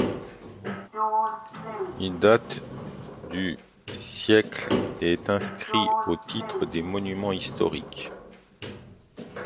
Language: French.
Il date du - siècle et est inscrit au titre des monuments historiques.